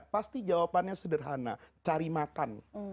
pasti jawabannya sederhana cari makan